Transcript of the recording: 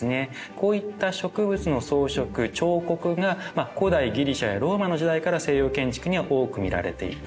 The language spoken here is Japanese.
こういった植物の装飾彫刻が古代ギリシャやローマの時代から西洋建築には多く見られていた。